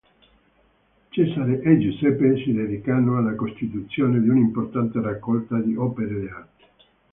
Cesare e Giuseppe si dedicano alla costituzione di un'importante raccolta di opere d'arte.